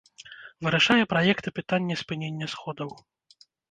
Вырашае праект і пытанне спынення сходаў.